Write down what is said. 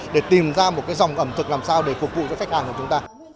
để tìm ra một cái dòng ẩm thực làm sao để phục vụ cho khách hàng của chúng ta